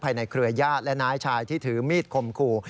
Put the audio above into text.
ในเครือญาติและน้าชายที่ถือมีดคมคู่